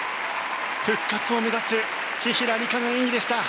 復活を目指す紀平梨花の演技でした。